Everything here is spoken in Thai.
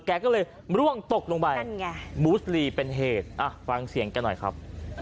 แกก็เลยร่วงตกลงไปนั่นไงมูสลีเป็นเหตุฟังเสียงแกหน่อยครับ